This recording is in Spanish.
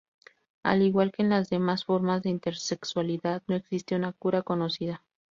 Al igual que en las demás formas de Intersexualidad, no existe una cura conocida.